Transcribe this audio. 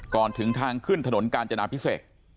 ถึงทางขึ้นถนนกาญจนาพิเศษ